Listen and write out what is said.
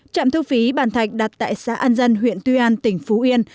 trạm thu phí bàn thạch đặt tại xã an dân huyện tuy an tỉnh phú yên